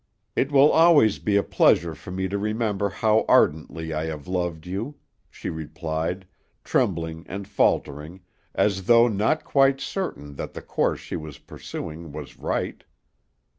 "It will always be a pleasure for me to remember how ardently I have loved you," she replied, trembling and faltering, as though not quite certain that the course she was pursuing was right.